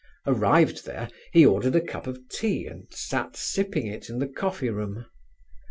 Arrived there, he ordered a cup of tea and sat sipping it in the coffee room.